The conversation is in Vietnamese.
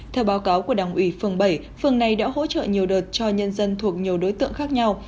theo báo cáo của đảng ủy phường bảy phường này đã hỗ trợ nhiều đợt cho nhân dân thuộc nhiều đối tượng khác nhau